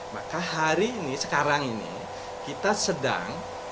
maka hari ini sekarang ini kita sedang